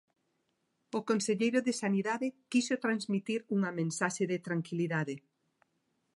O conselleiro de Sanidade quixo transmitir unha mensaxe de tranquilidade.